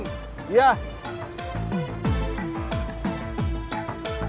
nanti dia ngebelain didu